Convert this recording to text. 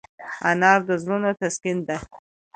انا د زړونو تسکین ده